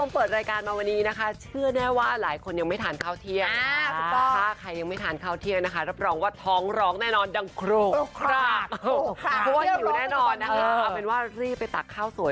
เพราะว่าอยู่แล้วหน่อยอ่ะมันว่ารีบไปตัดข้าวสวย